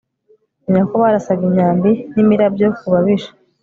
ni na ko barasaga imyambi n'imirabyo ku babisha